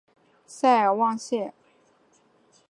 塞尔旺谢。